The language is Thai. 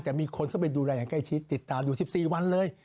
แต่มีคนเข้าไปดูแลอย่างใกล้ชิดติดตามอยู่๑๔วันเลย